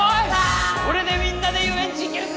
これでみんなで遊園地行けるぜ！